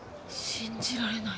信じられない。